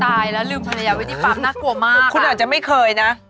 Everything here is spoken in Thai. ตายแล้วลืมภรรยาไว้ที่ปั๊มน่ากลัวมากคุณอาจจะไม่เคยนะ